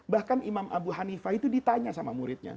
bahkan imam abu hanifah itu ditanya sama muridnya